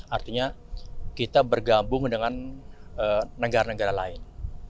artinya kita bergabung dengan negara negara lain